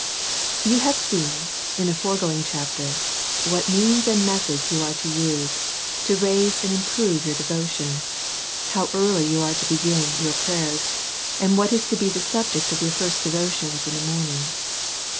YOU have seen in the foregoing chapter what means and methods you are to use to raise and im prove your devotion ; how early you are to beg in your prayers^ and what is to be the subject of your first devotions in the morning.